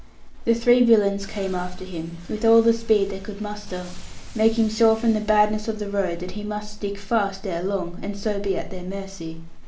The three villains came after him, with all the speed they could muster, making sure from the badness of the road that he must stick fast ere long, and so be at their mercy.